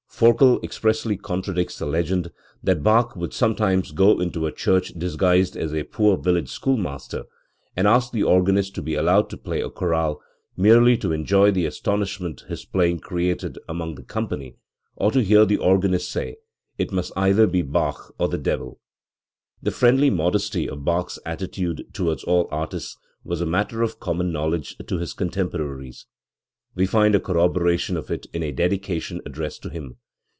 Forkel expressly contradicts the legend that Bach would sometimes go into a chiirch dis guised as a poor village schoolmaster and ask the organist to be allowed to play a chorale, merely to enjoy the aston ishment his playing created among the company, or to hear the organist say it must either be Bach or the devil *. The friendly modesty of Bach's attitude towards all artists was a matter of common knowledge to his contem poraries. We find a corroboration of it in a dedication addressed to him.